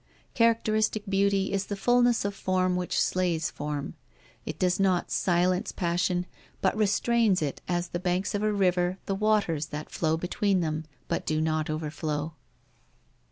Characteristic beauty is the fulness of form which slays form: it does not silence passion, but restrains it as the banks of a river the waters that flow between them, but do not overflow.